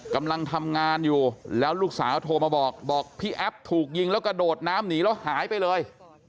กำลังทำงานอยู่แล้วลูกสาวโทรมาบอกบอกพี่แอฟถูกยิงแล้วกระโดดน้ำหนีแล้วหายไปเลย